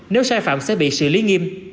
nếu sai phạm sẽ bị xử lý nghiêm